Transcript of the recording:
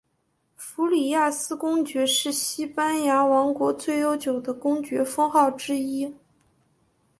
弗里亚斯公爵是西班牙王国最悠久的公爵封号之一。